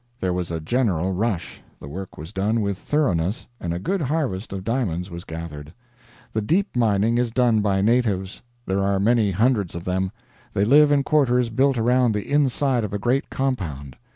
There was a general rush, the work was done with thoroughness, and a good harvest of diamonds was gathered. The deep mining is done by natives. There are many hundreds of them. They live in quarters built around the inside of a great compound.